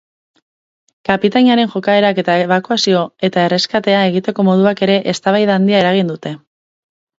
Kapitainaren jokaerak eta ebakuazioa eta erreskatea egiteko moduak ere eztabaida handia eragin dute.